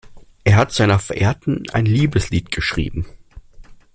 Er hat seiner Verehrten ein Liebeslied geschrieben.